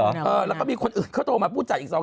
เออแล้วก็มีคนอื่นเขาโทรมาพูดจากอีก๒๓คน